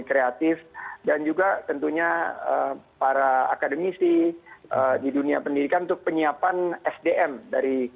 kreatif dan juga tentunya para akademisi di dunia pendidikan untuk penyiapan sdm dari